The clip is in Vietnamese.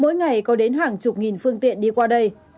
mỗi ngày có đến hàng chục nghìn phương tiện đi qua đây